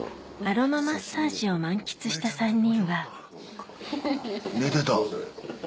アロママッサージを満喫した３人は寝てた。